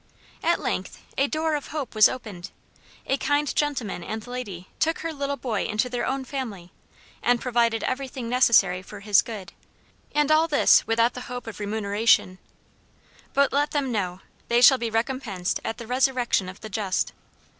At length, a door of hope was opened. A kind gentleman and lady took her little boy into their own family, and provided everything necessary for his good; and all this without the hope of remuneration. But let them know, they shall be "recompensed at the resurrection of the just."